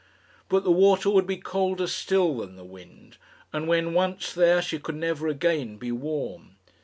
But the water would be colder still than the wind, and when once there she could never again be warm.